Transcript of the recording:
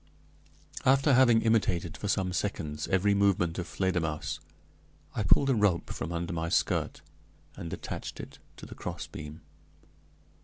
After having imitated for some seconds every movement of Fledermausse, I pulled a rope from under my skirt, and attached it to the crossbeam.